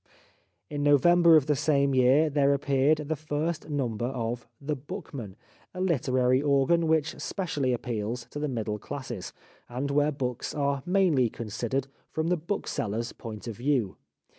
In November of the same year there appeared the first number of The Bookman, a literary organ which specially appeals to the middle classes, and where books are mainly considered from the bookseller's point of view.